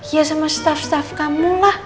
ya sama staff staff kamu lah